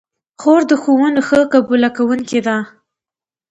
خور د ښوونو ښه قبوله کوونکې ده.